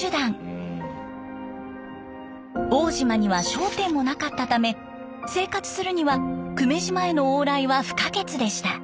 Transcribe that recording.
奥武島には商店もなかったため生活するには久米島への往来は不可欠でした。